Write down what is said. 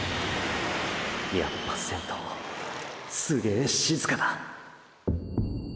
やっぱ先頭すげぇ静かだ！